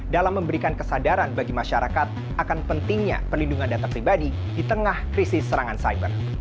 dalam memberikan kesadaran bagi masyarakat akan pentingnya perlindungan data pribadi di tengah krisis serangan cyber